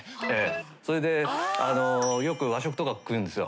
それでよく和食とか食うんですよ。